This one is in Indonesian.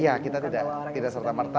iya kita tidak serta merta